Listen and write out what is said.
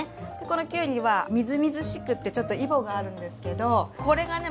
このきゅうりはみずみずしくてちょっとイボがあるんですけどこれがね